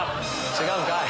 違うんかい。